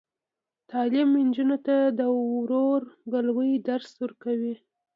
تعلیم نجونو ته د ورورګلوۍ درس ورکوي.